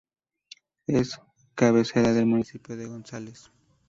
Es cabecera del municipio de González.